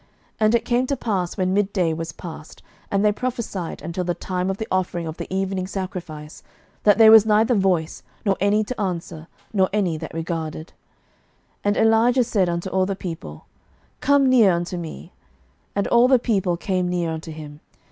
11:018:029 And it came to pass, when midday was past, and they prophesied until the time of the offering of the evening sacrifice, that there was neither voice, nor any to answer, nor any that regarded. 11:018:030 And Elijah said unto all the people, Come near unto me. And all the people came near unto him.